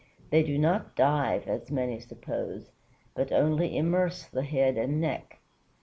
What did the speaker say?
They do not dive, as many suppose, but only immerse the head and neck.